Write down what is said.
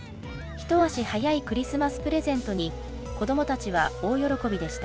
一足早いクリスマスプレゼントに子どもたちは大喜びでした。